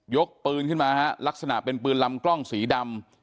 กปืนขึ้นมาฮะลักษณะเป็นปืนลำกล้องสีดำ